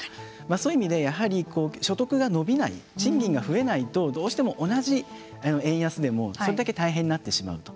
そういう意味で消費が伸びない賃金が増えないとどうしても同じ円安でもそれだけ大変になってしまうと。